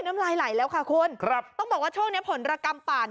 น้ำลายหลายแล้วค่ะคุณต้องบอกว่าช่วงนี้ผลระกำป่า